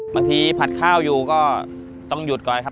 ผัดข้าวอยู่ก็ต้องหยุดก่อนครับ